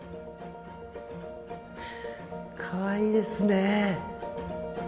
かわいいですね。